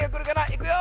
いくよ！